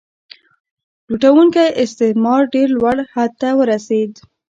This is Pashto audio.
لوټونکی استثمار ډیر لوړ حد ته ورسید.